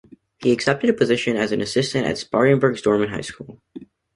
He accepted a position as an assistant at Spartanburg's Dorman High School.